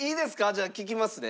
じゃあ聞きますね。